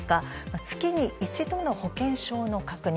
月に一度の保険証の確認